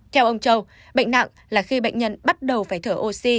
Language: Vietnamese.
theo ông châu bệnh nặng là khi bệnh nhân bắt đầu phải thở oxy